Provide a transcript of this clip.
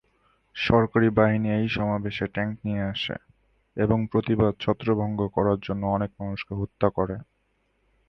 সরকারী বাহিনী এই সমাবেশে ট্যাংক নিয়ে আসে এবং প্রতিবাদ ছত্রভঙ্গ করার জন্য অনেক মানুষকে হত্যা করে।